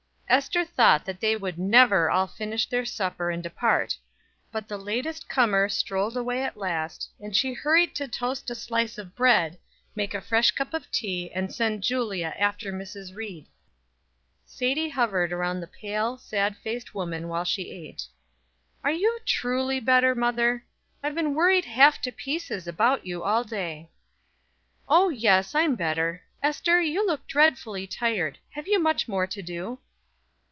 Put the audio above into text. Ester thought that they would never all finish their supper and depart; but the latest comer strolled away at last, and she hurried to toast a slice of bread, make a fresh cup of tea, and send Julia after Mrs. Ried. Sadie hovered around the pale, sad faced woman while she ate. "Are you truly better, mother? I've been worried half to pieces about you all day." "O, yes; I'm better. Ester, you look dreadfully tired. Have you much more to do?"